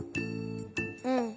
うん。